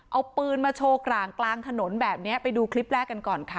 เอาปืนมาโชว์กลางกลางถนนแบบนี้ไปดูคลิปแรกกันก่อนค่ะ